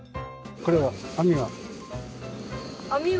これは網は。